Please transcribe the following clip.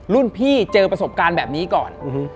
รุ่นพี่เจอประสบการณ์แบบนี้ก่อน